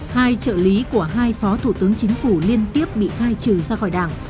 hai trợ lý của hai phó thủ tướng chính phủ liên tiếp bị khai trừ ra khỏi đảng